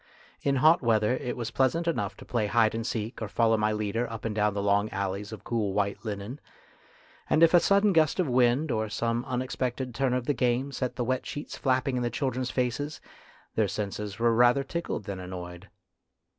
In hot weather it was pleasant enough to play hide and seek or follow my leader up and down the long alleys of cool white linen, and if a sudden gust of wind or some unexpected turn of the game set the wet sheets flapping in the children's faces, their senses were rather tickled than annoyed.